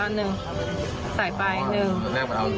เก็บไปละ๑ใส่ไป๑